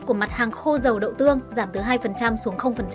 của mặt hàng khô dầu đậu tương giảm từ hai xuống